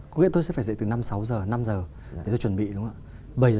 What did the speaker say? có nghĩa là tôi sẽ phải dậy từ năm sáu h năm h để cho chuẩn bị đúng không ạ